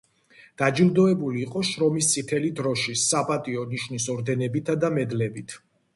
დაჯილდოებული იყო შრომის წითელი დროშის, „საპატიო ნიშნის“ ორდენებითა და მედლებით.